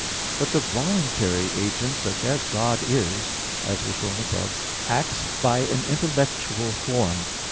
But the voluntary agent, such as God is, as was shown above (Q. 19, A. 4), acts by an intellectual form.